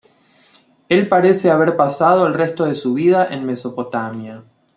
Él parece haber pasado el resto de su vida en Mesopotamia.